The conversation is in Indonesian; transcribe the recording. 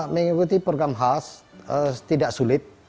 mengikuti program hal setidak sulit